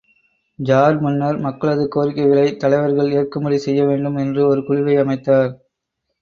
Jar மன்னர் மக்களது கோரிக்கைகளை தலைவர்கள் ஏற்கும்படி செய்யவேண்டும் என்று ஒரு குழுவை அமைத்தார்!